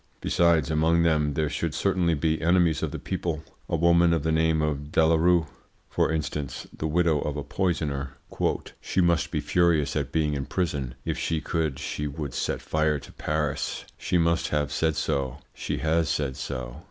Besides, among them there should certainly be enemies of the people, a woman of the name of Delarue, for instance, the widow of a poisoner: "She must be furious at being in prison, if she could she would set fire to Paris: she must have said so, she has said so.